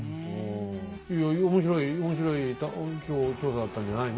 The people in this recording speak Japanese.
いや面白い面白い今日調査だったんじゃないの？